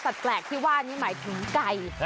แปลกที่ว่านี่หมายถึงไก่